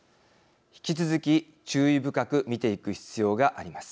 引き続き注意深く見ていく必要があります。